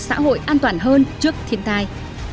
xã hội an toàn hơn trước thiên tai